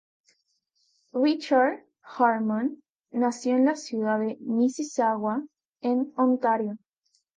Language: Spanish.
Richard Harmon nació en la ciudad de Mississauga en Ontario.